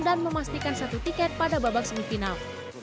dan memastikan satu tiket pada babak semifinal